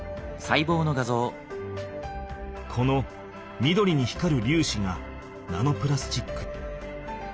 この緑に光るりゅうしがナノプラスチック。